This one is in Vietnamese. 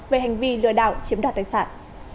về hành vi lừa đảo chiếm đoạt tài sản